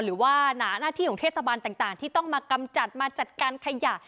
หนาหน้าที่ของเทศบาลต่างที่ต้องมากำจัดมาจัดการขยะ